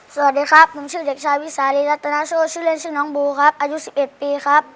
สวัสดีครับผมชื่อเด็กชายวิสาลีรัตนาโสชื่อเล่นชื่อน้องบูครับอายุ๑๑ปีครับ